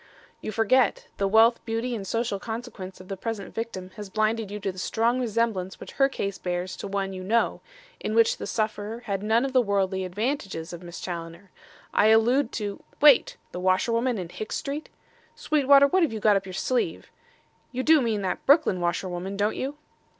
"You forget. The wealth, beauty and social consequence of the present victim has blinded you to the strong resemblance which her case bears to one you know, in which the sufferer had none of the worldly advantages of Miss Challoner. I allude to " "Wait! the washerwoman in Hicks Street! Sweetwater, what have you got up your sleeve? You do mean that Brooklyn washerwoman, don't you?"